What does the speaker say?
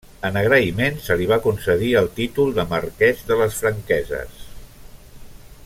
En agraïment, se li va concedir el títol de marquès de les Franqueses.